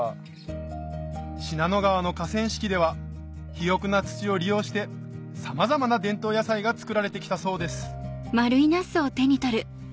信濃川の河川敷では肥沃な土を利用してさまざまな伝統野菜が作られて来たそうです